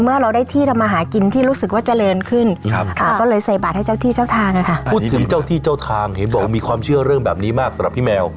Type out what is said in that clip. พูดถึงเจ้าที่เจ้าทางเห็นบอกว่ามีความเชื่อเรื่องแบบนี้มากต่อแบบพี่แมว